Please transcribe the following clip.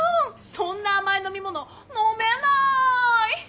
そんな甘い飲み物飲めない！